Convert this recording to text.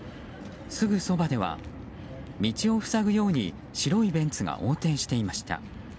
すぐそばでは道を塞ぐように白いベンツが横転していました。